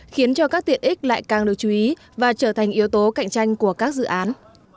khiến cho các tiện ích lại càng được chú ý và trở thành yếu tố cạnh tranh của các dự án